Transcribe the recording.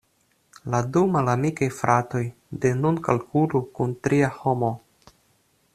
La du malamikaj fratoj de nun kalkulu kun tria homo.